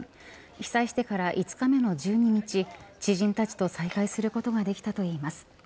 被災してから５日目の１２日知人たちと再会することができたといいます。